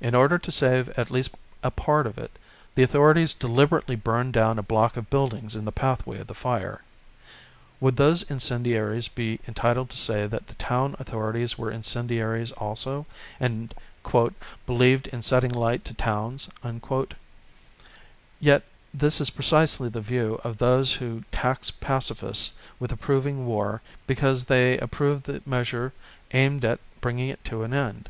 In order to save at least a part of it, the authorities deliberately burned down a block of buildings in the pathway of the fire. Would those incendiaries be entitled to say that the town authorities were incendiaries also, and "believed in setting light to towns?" Yet this is precisely the point of view of those who tax Pacifists with approving war because they approve the measure aimed at bringing it to an end.